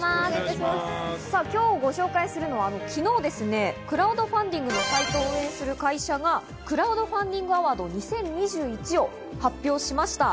今日、ご紹介するのは昨日、クラウドファンディングのサイト応援する会社がクラウドファンディングアワード２０２１を発表しました。